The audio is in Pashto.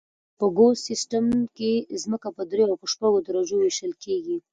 په ګوس سیستم کې ځمکه په دریو او شپږو درجو ویشل کیږي